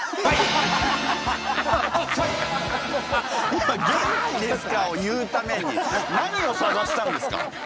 今「元気ですか！？」を言うために何を探したんですか？